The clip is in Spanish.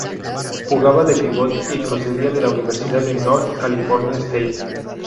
Jugaba de pívot y procedía de la Universidad de North Carolina State.